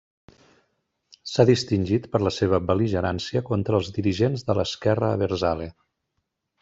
S'ha distingit per la seva bel·ligerància contra els dirigents de l'esquerra abertzale.